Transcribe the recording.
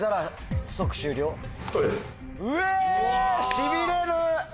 しびれる！